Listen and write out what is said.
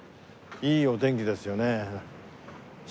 いいお天気ですよね。